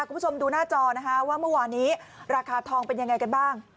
คุณผู้ชมดูหน้าจอนะคะว่าเมื่อวานี้ราคาทองเป็นยังไงกันบ้าง